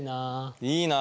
いいな。